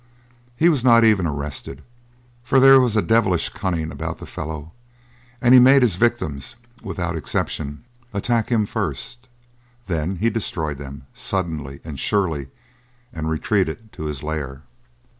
He was not even arrested. For there was a devilish cunning about the fellow and he made his victims, without exception, attack him first; then he destroyed them, suddenly and surely, and retreated to his lair.